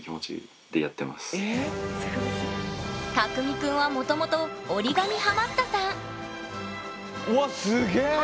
たくみくんはもともと折り紙ハマったさんうわすげえ。